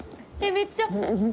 めっちゃ。